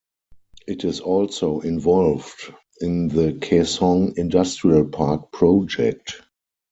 It is also involved in the Kaesong Industrial Park project.